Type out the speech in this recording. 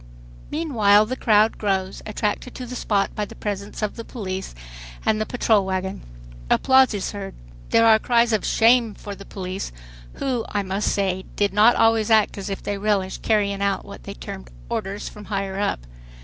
Meanwhile the crowd grows, attracted to the spot by the presence of the police and the patrol wagon. Applause is heard. There are cries of "shame" for the police, who, I must say, did not always act as if they relished carrying out what they termed "orders from higher up."